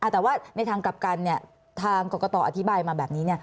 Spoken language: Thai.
แต่ว่าในทางกลับกันเนี่ยทางกรกฎอธิบายมาแบบนี้เนี่ย